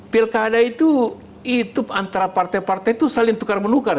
pilkada itu itu antara partai partai itu saling tukar menukar